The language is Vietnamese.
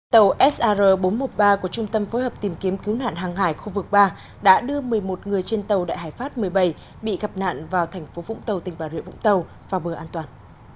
tàu sr bốn trăm một mươi ba của trung tâm phối hợp tìm kiếm cứu nạn hàng hải khu vực ba đã đưa một mươi một người trên tàu đại hải pháp một mươi bảy bị gặp nạn vào thành phố vũng tàu tỉnh bà rịa vũng tàu vào bờ an toàn